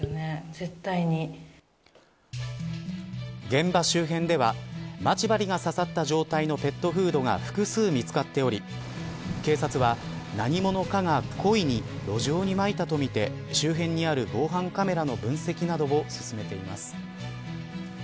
現場周辺では、まち針が刺さった状態のペットフードが複数、見つかっており警察は何者かが故意に路上にまいたとみて周辺にある防犯カメラの分析などを進めています。